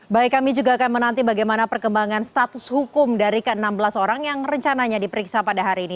baik kami juga akan menanti bagaimana perkembangan status hukum dari ke enam belas orang yang rencananya diperiksa pada hari ini